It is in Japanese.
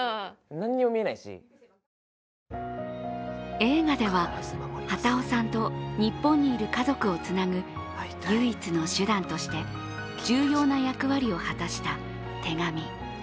映画では幡男さんと日本にいる家族をつなぐ唯一の手段として重要な役割を果たした手紙。